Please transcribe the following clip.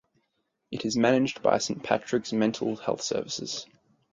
It is managed by St Patrick’s Mental Health Services.